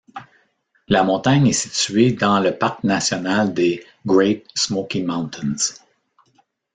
La montagne est située dans le parc national des Great Smoky Mountains.